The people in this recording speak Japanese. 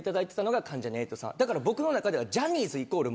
だから僕の中では。